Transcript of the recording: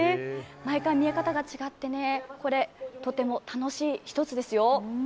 毎回、見え方が違ってこれとても楽しい一つですよ。